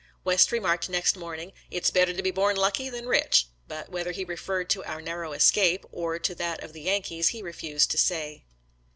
West remarked next morn ing, " It's better to be born lucky than rich," but whether he referred to our narrow escape, or to that of the Yankees, he refused to say.